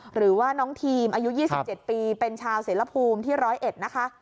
หรือว่าน้องทีมอายุ๒๗ปีเป็นชาวเสรภูมิที่๑๐๑นะคะ